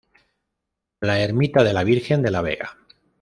La Ermita de la Virgen de la Vega.